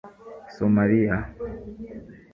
Somalia